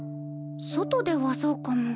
外ではそうかも。